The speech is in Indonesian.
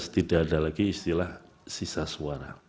dua ribu tujuh belas tidak ada lagi istilah sisa suara